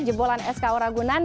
jebolan sku ragunan